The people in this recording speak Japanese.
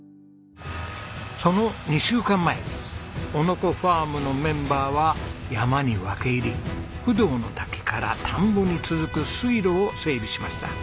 その２週間前男ノ子ファームのメンバーは山に分け入り不動の滝から田んぼに続く水路を整備しました。